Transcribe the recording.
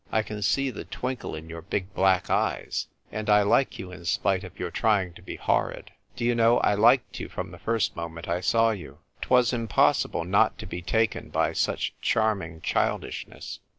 I can see the twinkle in your big black eyes ; and I like you in spite of your trying to be horrid. Do you know, I liked you from the first moment I saw you." 'Twas impossible not to be taken by such charming childishness.